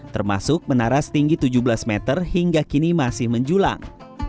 termasuk menara setinggi tujuh belas meter hingga kini masih menjulang